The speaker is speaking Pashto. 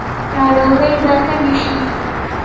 ناروغۍ به کمې شي؟